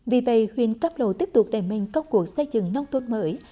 vì vậy huyện câm lộ tiếp tục đề minh các cuộc xây dựng nông thôn mới